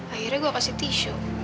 akhirnya gue kasih tisu